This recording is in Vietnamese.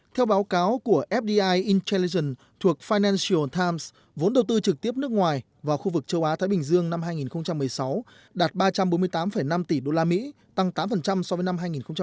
theo báo cáo của fdi intelligent thuộc finantional times vốn đầu tư trực tiếp nước ngoài vào khu vực châu á thái bình dương năm hai nghìn một mươi sáu đạt ba trăm bốn mươi tám năm tỷ usd tăng tám so với năm hai nghìn một mươi bảy